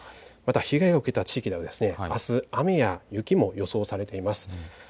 また被害を受けた地域ではあす、雨や雪も予想されています。